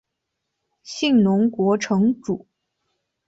信浓国城主。